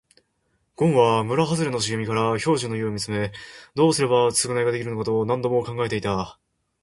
ごんは村はずれの茂みから兵十の家を見つめ、どうすれば償いができるのかと何度も考え続けていました。